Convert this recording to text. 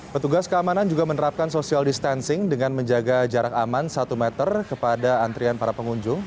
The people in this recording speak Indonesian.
petugas keamanan juga menerapkan social distancing dengan menjaga jarak aman satu meter kepada antrian para pengunjung